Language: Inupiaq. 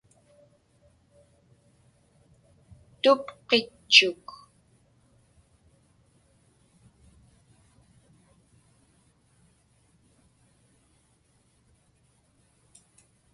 Tupqitchuq.